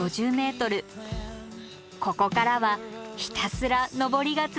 ここからはひたすら登りが続きます